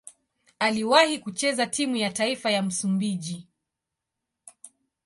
Aliwahi kucheza timu ya taifa ya Msumbiji.